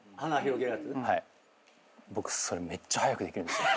僕それめっちゃ速くできるんですよ。